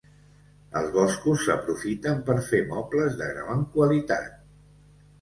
Els boscos s'aprofiten per fer mobles de gran qualitat.